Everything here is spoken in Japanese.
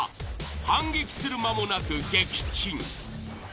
反撃する間もなく撃沈。